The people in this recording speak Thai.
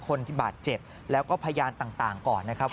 คนที่บาดเจ็บแล้วก็พยานต่างก่อนนะครับ